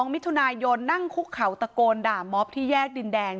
มิถุนายนนั่งคุกเขาตะโกนด่าม็อบที่แยกดินแดง